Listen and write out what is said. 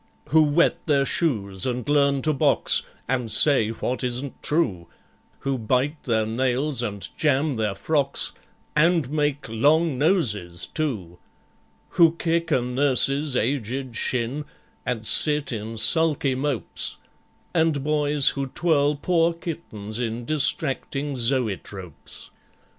Who wet their shoes and learn to box, And say what isn't true, Who bite their nails and jam their frocks, And make long noses too; Who kick a nurse's aged shin, And sit in sulky mopes; And boys who twirl poor kittens in Distracting zoëtropes.